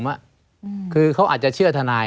ไม่มีครับไม่มีครับ